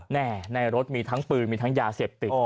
ในรถมีทั้งปืนมีทั้งยาเสพติด